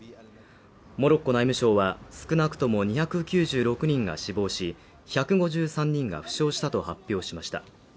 モロッコ内務省は少なくとも２９６人が死亡し１５３人が負傷したと発表しました。